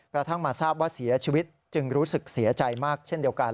กระทั่งมาทราบว่าเสียชีวิตจึงรู้สึกเสียใจมากเช่นเดียวกัน